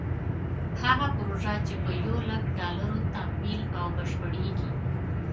هغه پروژه چې په یو لک ډالرو تمویل او بشپړېږي.